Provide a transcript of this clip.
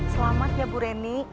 selamat ya bu reni